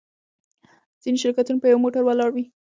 ځینې شرکتونه په یوه موټر ولاړ وي.